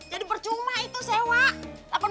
jadi percuma itu sewa